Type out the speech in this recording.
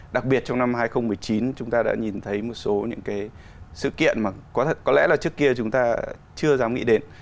đặc biệt trong năm hai nghìn một mươi chín chúng ta đã nhìn thấy một số những cái sự kiện mà có lẽ là trước kia chúng ta chưa dám nghĩ đến